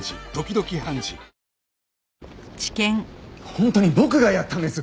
本当に僕がやったんです！